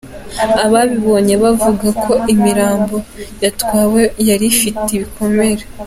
Ababibonye bavuga ko imirambo yatwawe yari ifite ibikomere.